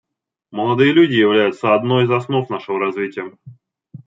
Молодые люди являются одной из основ нашего развития.